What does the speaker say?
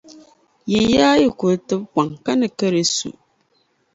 Yinyaa yi kuli tibi kpaŋ ka ni karɛsu.